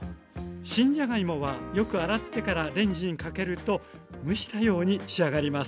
新じゃがいもはよく洗ってからレンジにかけると蒸したように仕上がります。